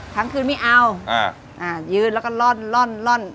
ทั้งคืนไม่เอาอ่ายืนแล้วก็ร่อน